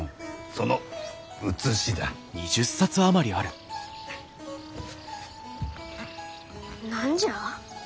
その写しだ。何じゃ？